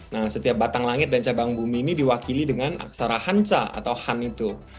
nah setiap batang langit dan cabang bumi ini diwakili dengan aksara hancha atau han itu